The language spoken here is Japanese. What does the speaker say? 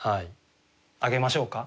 開けましょうか。